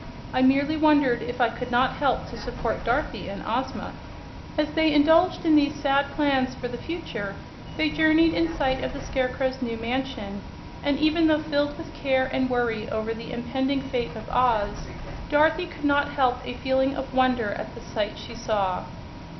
"I merely wondered if I could not help to support Dorothy and Ozma." As they indulged in these sad plans for the future they journeyed in sight of the Scarecrow's new mansion, and even though filled with care and worry over the impending fate of Oz, Dorothy couldn't help a feeling of wonder at the sight she saw.